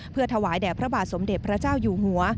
เพื่อถวายแด่พระบาทสมเด็จพระเจ้าอยู่หัว